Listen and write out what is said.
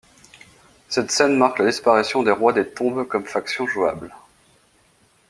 Cette scène marque la disparition des Rois des Tombes comme faction jouable.